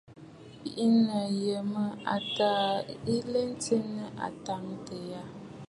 Bìꞌinə̀ yə mə taa aɨ lɛ ntswe nɨ àtàŋəntɨɨ aà.